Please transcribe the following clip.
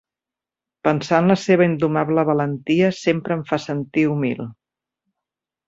Pensar en la seva indomable valentia sempre em fa sentir humil.